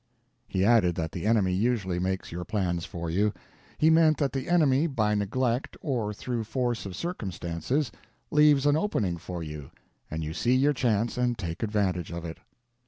He added that the enemy usually makes your plans for you. He meant that the enemy by neglect or through force of circumstances leaves an opening for you, and you see your chance and take advantage of it.